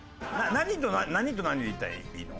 何と何でいったらいいの？